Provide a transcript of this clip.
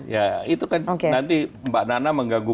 ya itu kan nanti mbak nana mengganggu